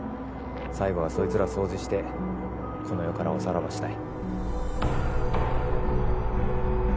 最後はそいつら掃除してこの世からおさらばしたい